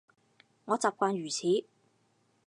我習慣如此